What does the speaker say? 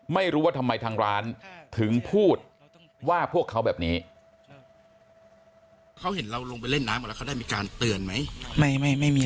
ไม่รู้ว่าทำไมทางร้านถึงพูดว่าพวกเขาแบบนี้